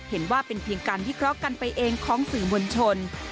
เห็นว่าเป็นเพียงการวิเคราะห์กันไปเองของสื่อมวลชน